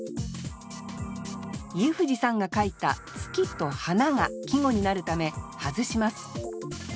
家藤さんが書いた「月」と「花」が季語になるため外します